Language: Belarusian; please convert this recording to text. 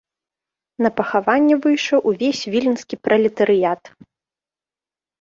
На пахаванне выйшаў увесь віленскі пралетарыят.